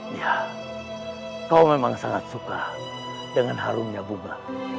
ya kau memang sangat suka dengan harumnya bunga